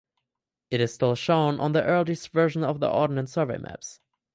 It is still shown on the earliest versions of the Ordnance Survey maps.